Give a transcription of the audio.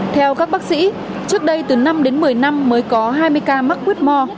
theo các bác sĩ trước đây từ năm đến một mươi năm mới có hai mươi ca mắc quyết mò